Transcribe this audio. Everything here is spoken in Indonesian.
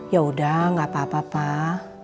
yaudah gak apa apa pak